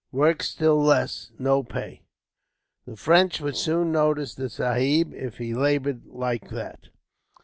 Work still less, no pay. The French would soon notice the sahib, if he laboured like that."